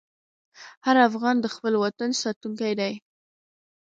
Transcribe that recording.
هر افغان د خپل وطن ساتونکی دی.